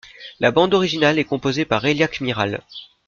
La bande originale est composée par Elia Cmiral.